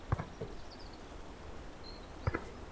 না, স্যরি।